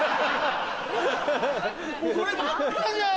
こればっかじゃん。